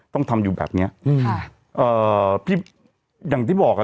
ต้องทำอยู่แบบเนี้ยอืมค่ะเอ่อพี่อย่างที่บอกอ่ะ